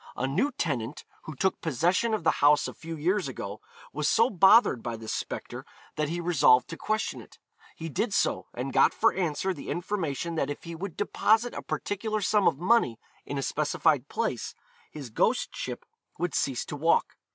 A new tenant, who took possession of the house a few years ago, was so bothered by this spectre that he resolved to question it. He did so and got for answer the information that if he would deposit a particular sum of money in a specified place, his ghostship would cease to walk.